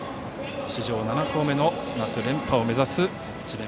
史上７校目の夏連覇を目指す智弁